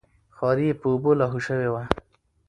خواري یې په اوبو لاهو شوې وه.